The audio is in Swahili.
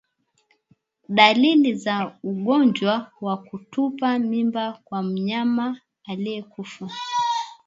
Dalili za ugonjwa wa kutupa mimba kwa mnyama aliyekufa